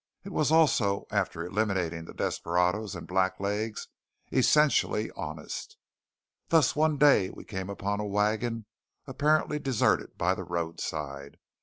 It was also, after eliminating the desperadoes and blacklegs, essentially honest. Thus one day we came upon a wagon apparently deserted by the roadside.